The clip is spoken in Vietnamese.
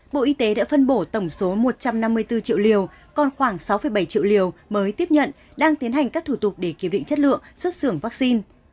bộ y tế đã phân bổ tổng số một trăm năm mươi bốn triệu liều còn khoảng sáu bảy triệu liều mới tiếp nhận đang tiến hành các thủ tục để kiểm định chất lượng xuất xưởng vaccine